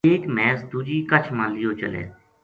ایک مھیس دوجی کچھ ما لِیو چلے